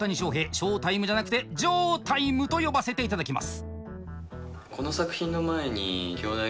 ショータイムじゃなくてジョータイムと呼ばせて頂きます。